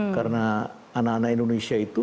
karena anak anak indonesia itu